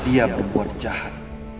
dia berbuat jahat